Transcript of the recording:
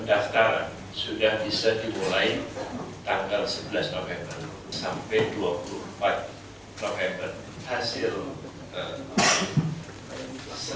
assalamualaikum warahmatullahi wabarakatuh